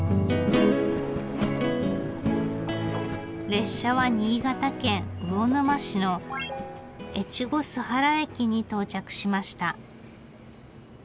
列車は新潟県魚沼市の越後須原駅に到着しました。